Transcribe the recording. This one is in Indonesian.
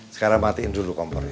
sekarang matiin dulu kompornya